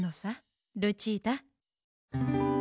ルチータ。